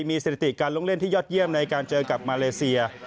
มีสถิติการลงเล่นที่ยอดเยี่ยมในการเจอกับมาเลเซีย